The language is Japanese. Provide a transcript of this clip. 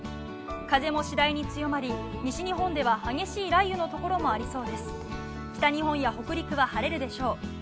風も次第に強まり西日本では激しい雷雨のところも赤星さん